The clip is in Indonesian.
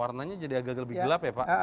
warnanya jadi agak agak lebih gelap ya pak